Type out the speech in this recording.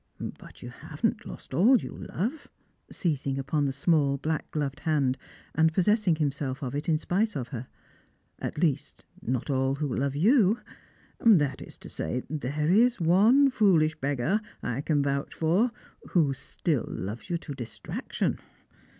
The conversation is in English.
" But you haven't lost all you love," seizing upon the small black gloved hand, and possessing himself of it in spite of her —" at least not all who love you ; that is to say, there is one foolish beggar I can vouch for who still loves vou to distraction."